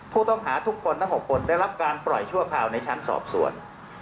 ผู้ต้องหาทุกคนทั้ง๖คนได้รับการปล่อยชั่วคราวในชั้นสอบสวน